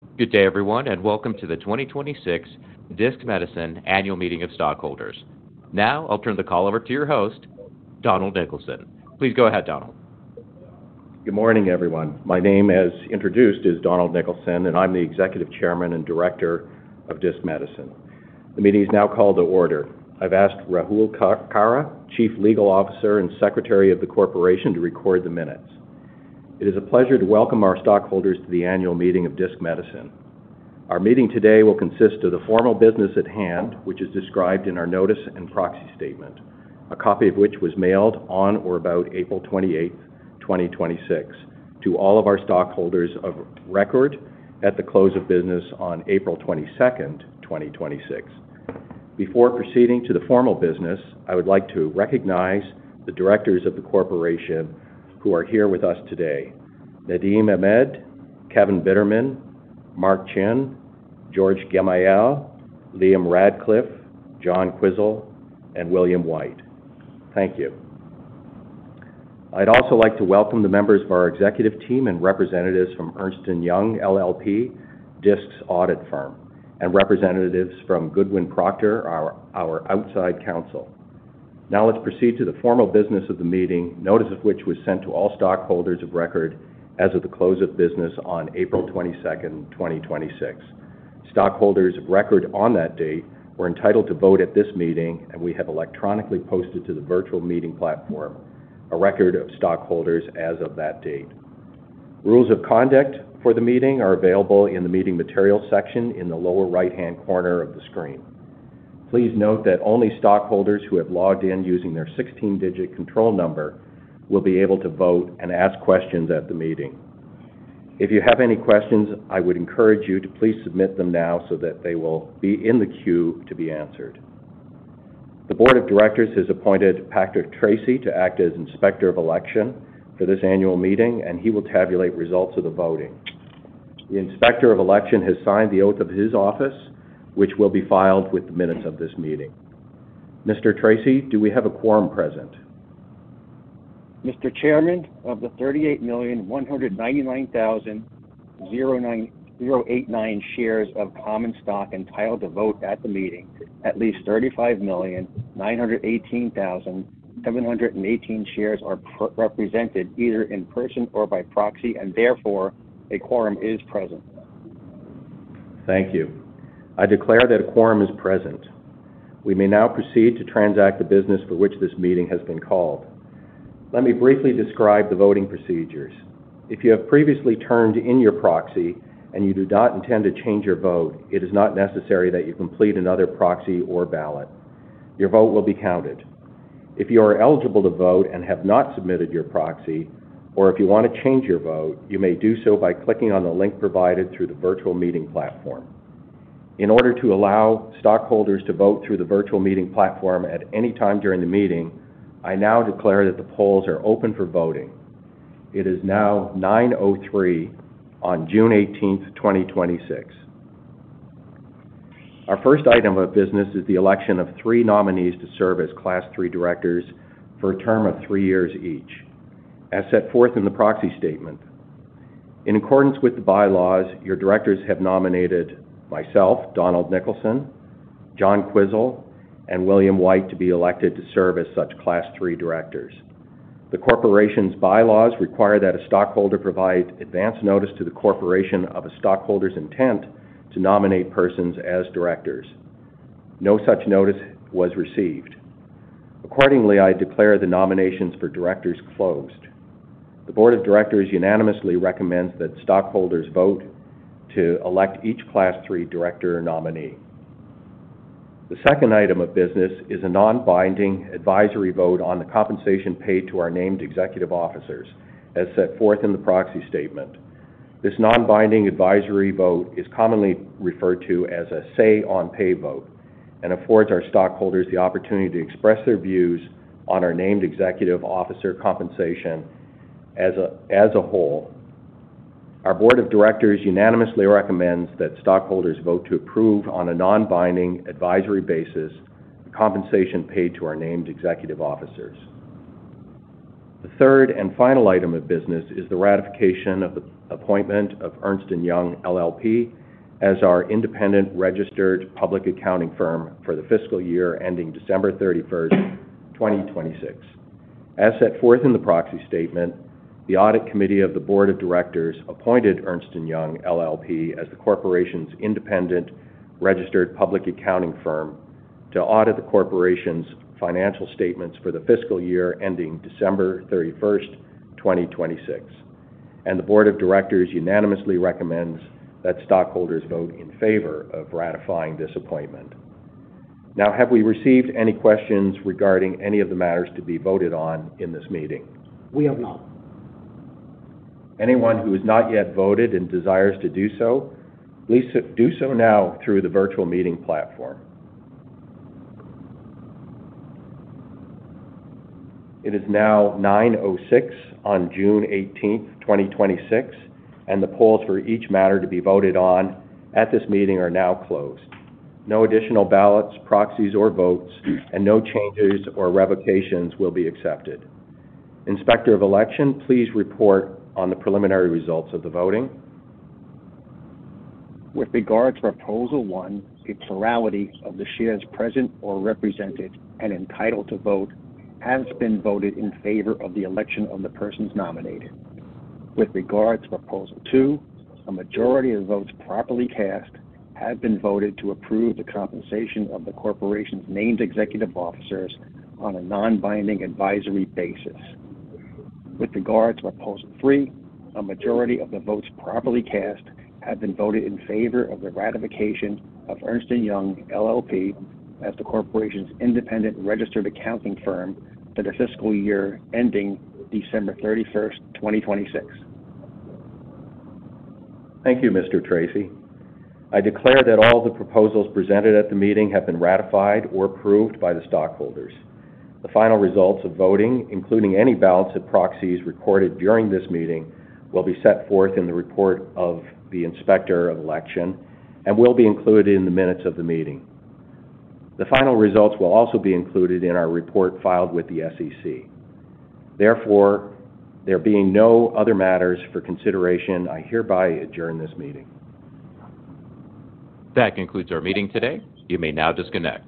Good day everyone, welcome to the 2026 Disc Medicine Annual Meeting of Stockholders. I'll turn the call over to your host, Donald Nicholson. Please go ahead, Donald. Good morning, everyone. My name, as introduced, is Donald Nicholson, I'm the Executive Chairman and Director of Disc Medicine. The meeting is now called to order. I've asked Rahul Khara, Chief Legal Officer and Secretary of the corporation, to record the minutes. It is a pleasure to welcome our stockholders to the annual meeting of Disc Medicine. Our meeting today will consist of the formal business at hand, which is described in our notice and proxy statement, a copy of which was mailed on or about April 28th, 2026, to all of our stockholders of record at the close of business on April 22nd, 2026. Before proceeding to the formal business, I would like to recognize the directors of the corporation who are here with us today. Nadim Ahmed, Kevin Bitterman, Mark Chin, Georges Gemayel, Liam Ratcliffe, John Quisel, William White. Thank you. I'd also like to welcome the members of our executive team and representatives from Ernst & Young LLP, Disc's audit firm, and representatives from Goodwin Procter, our outside counsel. Let's proceed to the formal business of the meeting, notice of which was sent to all stockholders of record as of the close of business on April 22nd, 2026. Stockholders of record on that date were entitled to vote at this meeting, we have electronically posted to the virtual meeting platform a record of stockholders as of that date. Rules of conduct for the meeting are available in the meeting materials section in the lower right-hand corner of the screen. Please note that only stockholders who have logged in using their 16-digit control number will be able to vote and ask questions at the meeting. If you have any questions, I would encourage you to please submit them now so that they will be in the queue to be answered. The Board of Directors has appointed Patrick Tracy to act as Inspector of Election for this annual meeting, he will tabulate results of the voting. The Inspector of Election has signed the oath of his office, which will be filed with the minutes of this meeting. Mr. Tracy, do we have a quorum present? Mr. Chairman, of the 38,199,089 shares of common stock entitled to vote at the meeting, at least 35,918,718 shares are represented either in person or by proxy, and therefore a quorum is present. Thank you. I declare that a quorum is present. We may now proceed to transact the business for which this meeting has been called. Let me briefly describe the voting procedures. If you have previously turned in your proxy and you do not intend to change your vote, it is not necessary that you complete another proxy or ballot. Your vote will be counted. If you are eligible to vote and have not submitted your proxy, or if you want to change your vote, you may do so by clicking on the link provided through the virtual meeting platform. In order to allow stockholders to vote through the virtual meeting platform at any time during the meeting, I now declare that the polls are open for voting. It is now 9:03A.M. on June 18th, 2026. Our first item of business is the election of three nominees to serve as Class III directors for a term of three years each, as set forth in the proxy statement. In accordance with the bylaws, your directors have nominated myself, Donald Nicholson, John Quisel, and William White to be elected to serve as such Class III directors. The corporation's bylaws require that a stockholder provide advance notice to the corporation of a stockholder's intent to nominate persons as directors. No such notice was received. Accordingly, I declare the nominations for directors closed. The board of directors unanimously recommends that stockholders vote to elect each Class III director nominee. The second item of business is a non-binding advisory vote on the compensation paid to our named executive officers, as set forth in the proxy statement. This non-binding advisory vote is commonly referred to as a say-on-pay vote and affords our stockholders the opportunity to express their views on our named executive officer compensation as a whole. Our board of directors unanimously recommends that stockholders vote to approve, on a non-binding, advisory basis, the compensation paid to our named executive officers. The third and final item of business is the ratification of the appointment of Ernst & Young LLP as our independent registered public accounting firm for the fiscal year ending December 31st, 2026. As set forth in the proxy statement, the audit committee of the board of directors appointed Ernst & Young LLP as the corporation's independent registered public accounting firm to audit the corporation's financial statements for the fiscal year ending December 31st, 2026. The board of directors unanimously recommends that stockholders vote in favor of ratifying this appointment. Have we received any questions regarding any of the matters to be voted on in this meeting? We have not. Anyone who has not yet voted and desires to do so, please do so now through the virtual meeting platform. It is now 9:06A.M. on June 18th, 2026, and the polls for each matter to be voted on at this meeting are now closed. No additional ballots, proxies, or votes, and no changes or revocations will be accepted. Inspector of Election, please report on the preliminary results of the voting. With regard to Proposal 1, a plurality of the shares present or represented and entitled to vote has been voted in favor of the election of the persons nominated. With regard to Proposal 2, a majority of votes properly cast have been voted to approve the compensation of the corporation's named executive officers on a non-binding advisory basis. With regard to Proposal 3, a majority of the votes properly cast have been voted in favor of the ratification of Ernst & Young LLP as the corporation's independent registered accounting firm for the fiscal year ending December 31st, 2026. Thank you, Mr. Tracy. I declare that all the proposals presented at the meeting have been ratified or approved by the stockholders. The final results of voting, including any ballots and proxies recorded during this meeting, will be set forth in the report of the Inspector of Election and will be included in the minutes of the meeting. The final results will also be included in our report filed with the SEC. There being no other matters for consideration, I hereby adjourn this meeting. That concludes our meeting today. You may now disconnect.